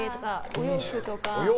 お洋服とか。